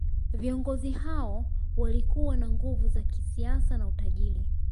Viongozi hao walikuwa na nguvu za kisiasa na utajiri